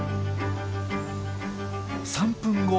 ３分後。